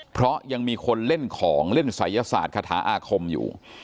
เพราะยังมีคนเล่นของเล่นศัยศาสตร์คาถาอาคมอยู่